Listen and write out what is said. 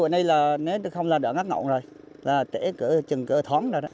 nếu không là đỡ ngắt nộn rồi là trừng cỡ thóng rồi